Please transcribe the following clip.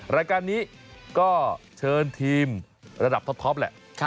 รายการนี้ก็เชิญทีมระดับท็อตท็อปค่ะ